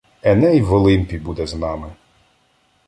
Еней в Олимпі буде з нами